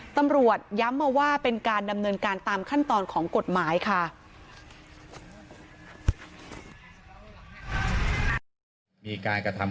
ตำรวจย้ำมาว่าเป็นการดำเนินการตามขั้นตอนของกฎหมายค่ะ